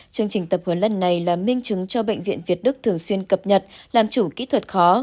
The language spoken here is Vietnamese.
chương trình tập huấn lần này là minh chứng cho bệnh viện việt đức thường xuyên cập nhật làm chủ kỹ thuật khó